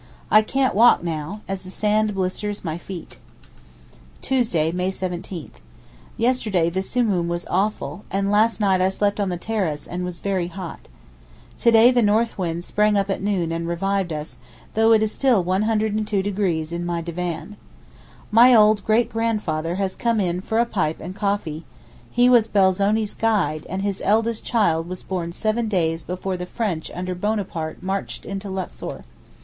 I can't walk now, as the sand blisters my feet. Tuesday, May 17.—Yesterday the Simoom was awful, and last night I slept on the terrace, and was very hot. To day the north wind sprang up at noon and revived us, though it is still 102° in my divan. My old 'great grandfather' has come in for a pipe and coffee; he was Belzoni's guide, and his eldest child was born seven days before the French under Bonaparte marched into Luxor.